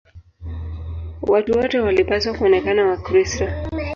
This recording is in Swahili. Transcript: Watu wote walipaswa kuonekana Wakristo.